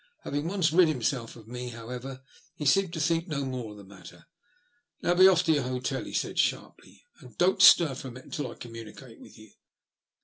Having once rid himself of me However, he, seemed to think no more of the matter. " Now be off to your hotel," he said sharply, " and don't stir from it until I communicate with you.